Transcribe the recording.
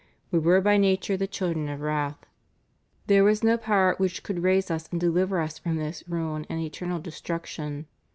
We were by nature the children of wrath.'' There was no power which could raise us and deliver us from this ruin and eternal destruc tion.